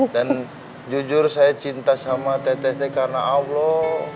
dan jujur saya cinta sama teteh teteh karena allah